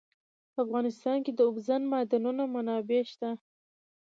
په افغانستان کې د اوبزین معدنونه منابع شته.